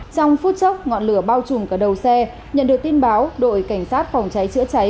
trong phút chốc ngọn lửa bao trùm cả đầu xe nhận được tin báo đội cảnh sát phòng cháy chữa cháy